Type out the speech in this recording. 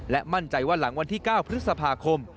มั่นใจว่าหลังวันที่๙พฤษภาคม